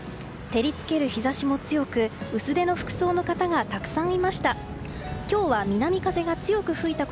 照りつける日差しも強く薄手の服装の方がたくさんいました。